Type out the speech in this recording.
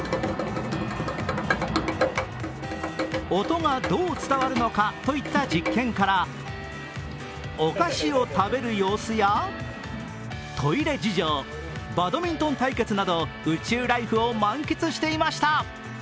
音がどう伝わるのかといった実験からお菓子を食べる様子やトイレ事情、バドミントン対決など宇宙ライフを満喫していました。